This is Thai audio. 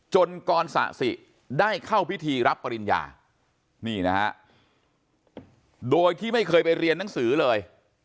กรสะสิได้เข้าพิธีรับปริญญานี่นะฮะโดยที่ไม่เคยไปเรียนหนังสือเลย